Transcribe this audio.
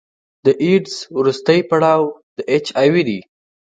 د ایډز وروستی پړاو د اچ آی وي دی.